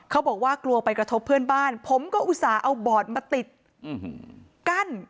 เขาบอกว่ากลัวไปกระทบเพื่อนบ้านผมก็อุตส่าห์เอาบอร์ดมาติดกั้น